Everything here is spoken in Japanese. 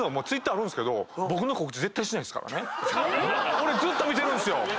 俺ずっと見てるんすよ！